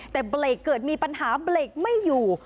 แต่เบรกเกิดมีปัญหาเบรกไม่อยู่